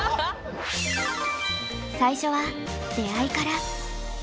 最初は「出会い」から。